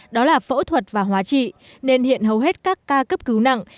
đó là phẫu thuật và hóa trị nên hiện hầu hết các ca cấp cứu nặng